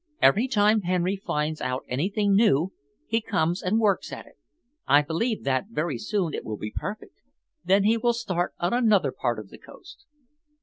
"Every time Henry finds out anything new, he comes and works at it. I believe that very soon it will be perfect. Then he will start on another part of the coast."